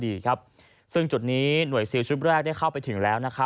โดยฐานน้ำที่ไหลมาตรงนี้